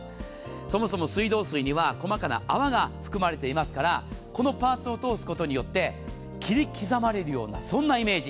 そもそも水道水には細かな泡が含まれていますからこのパーツを通すことによって切り刻まれるようなそんなイメージ。